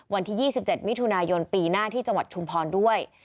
วันที่๒๗มิถุนายนปีหน้าที่จังหวัดชุมพรด้วย